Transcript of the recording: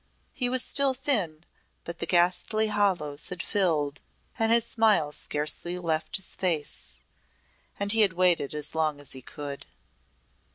He was still thin, but the ghastly hollows had filled and his smile scarcely left his face and he had waited as long as he could.